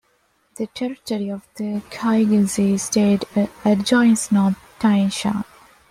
The Territory of the Kyrgyz State adjoins North Tian-Shan.